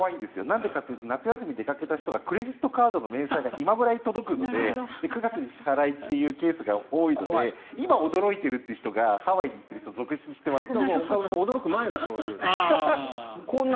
なんでかというと夏休みに出かけた時がクレジットカードの明細が今ぐらいに届くので９月に支払いというケースが多いので今驚いているという人がハワイに行っている人続出しています。